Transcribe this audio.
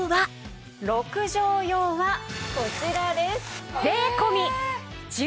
６畳用はこちらです。